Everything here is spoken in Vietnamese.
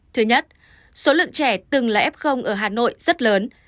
thứ nhất số lượng trẻ từng là f ở hà nội rất lớn